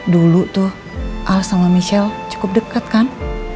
dulu tuh al sama michelle cukup dekat kan